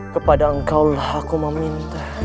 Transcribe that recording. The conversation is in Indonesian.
kepada engkau lah aku meminta